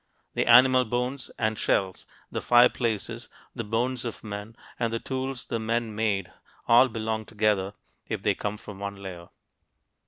The animal bones and shells, the fireplaces, the bones of men, and the tools the men made all belong together, if they come from one layer.